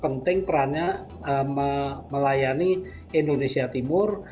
penting perannya melayani indonesia timur